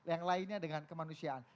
yang lainnya dengan kemanusiaan